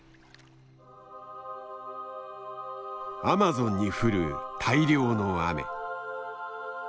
アマゾンに降る大量の雨。